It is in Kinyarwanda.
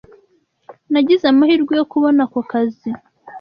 Nagize amahirwe yo kubona ako kazi.